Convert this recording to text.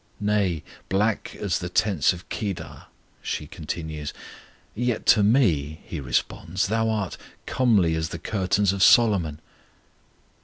"Nay, 'black as the tents of Kedar,'" she continues. "Yet to Me," He responds, "thou art 'comely as the curtains of Solomon!'"